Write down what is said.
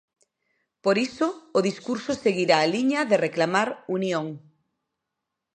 Por iso, o discurso seguirá a liña de reclamar unión.